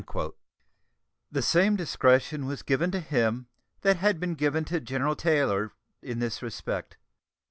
The same discretion was given to him that had been to General Taylor in this respect.